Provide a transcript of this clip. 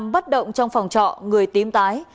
năm bắt động trong phòng trọ người tím tái